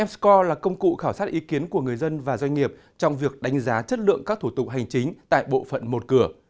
m score là công cụ khảo sát ý kiến của người dân và doanh nghiệp trong việc đánh giá chất lượng các thủ tục hành chính tại bộ phận một cửa